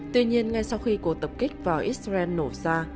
tuy nhiên ngay sau khi cuộc tập kích vào israel nổ ra